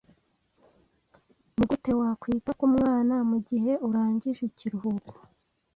nigute wakwita kumwana mugihe urangije ikiruhuko